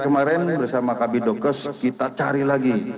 kemarin bersama kb dokes kita cari lagi